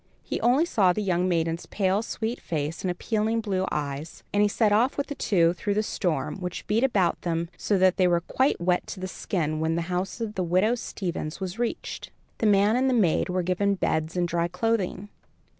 He only saw the young maiden's pale, sweet face and appealing blue eyes, and he set off with the two through the storm, which beat about them so that they were quite wet to the skin when the house of widow Stevens was reached. The man and the maid were given beds and dry clothing.